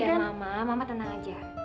ya mama mama tenang aja